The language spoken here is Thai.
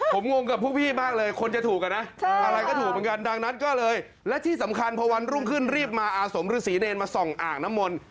ผมงงกับพวกพี่มากเลยคนจะถูกอะนะอะไรก็ถูกเหมือนกันดังนั้นก็เลยและที่สำคัญพอวันรุ่งขึ้นรีบมาอาสมฤษีเนรมาส่องอ่างน้ำมนต์